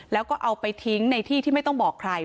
แล้วก็เอาไปทิ้งในที่ที่ไม่ต้องบอกใคร